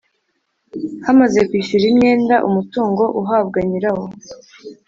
Hamaze kwishyura imyenda umutungo uhabwa nyirawo